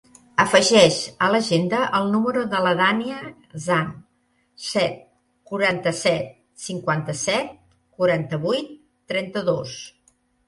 Afegeix a l'agenda el número de la Dània Zhan: set, quaranta-set, cinquanta-set, quaranta-vuit, trenta-dos.